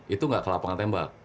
itu nggak ke lapangan tembak